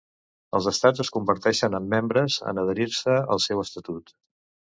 Els Estats es converteixen en membres en adherir-se al seu estatut.